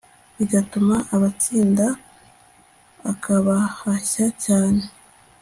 bigatuma abatsinda akabahashya cyane